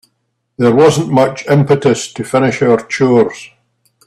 There wasn't much impetus to finish our chores.